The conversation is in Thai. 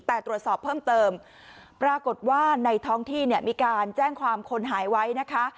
แต่ตรวจสอบเพิ่มเติมปรากฏว่าในท้องที่เนี่ยมีการแจ้งความคนหายไว้นะคะ